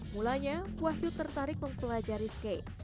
mulanya wahyu tertarik mempelajari skate